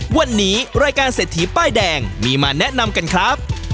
วันนี้รายการเศรษฐีป้ายแดงมีมาแนะนำกันครับ